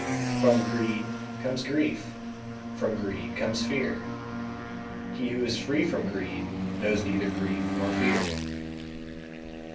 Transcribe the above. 216. From greed comes grief, from greed comes fear; he who is free from greed knows neither grief nor fear.